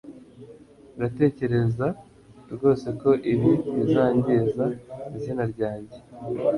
Uratekereza rwose ko ibi bizangiza izina ryanjye